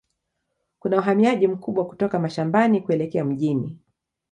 Kuna uhamiaji mkubwa kutoka mashambani kuelekea mjini.